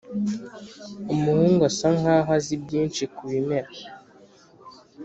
umuhungu asa nkaho azi byinshi kubimera.